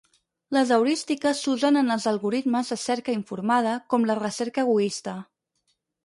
Les heurístiques s'usen en els algoritmes de cerca informada com la recerca egoista.